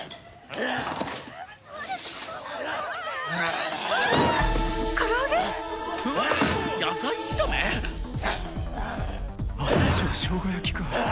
あっちはしょうが焼きか。